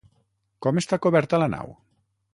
Com està coberta la nau?